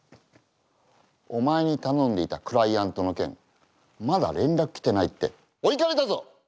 お前に頼んでいたクライアントの件まだ連絡来てないってお怒りだぞ！